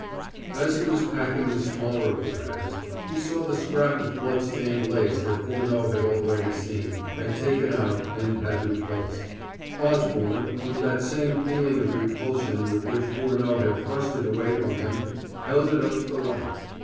As he was packing the smaller of the bags, he saw the scrap of blood stained lace that Furneaux had already seen, had taken out, and had replaced. Osborne, with that same feeling of repulsion with which Furneaux had thrust it away from him, held it up to the light.